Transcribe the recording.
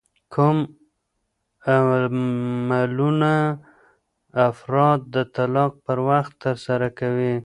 کوم عملونه افراد د طلاق پر وخت ترسره کوي؟